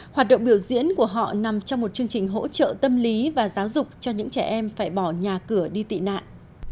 hoạt động biểu diễn của họ nằm trong một chương trình hỗ trợ tâm lý và giáo dục cho những trẻ em phải bỏ nhà cửa đi tị nạn